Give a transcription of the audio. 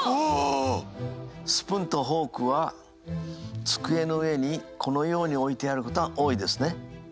スプーンとフォークは机の上にこのように置いてあることが多いですね。